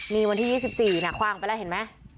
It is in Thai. นี่วันที่๒๔นะคว่างไปแล้วเห็นไหม